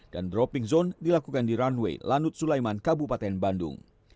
dan dropping zone dilakukan di runway lanut sulaiman kabupaten bandung